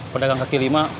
pada gang ketiga lima